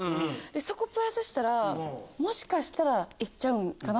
そこプラスしたらもしかしたら行っちゃうんかな？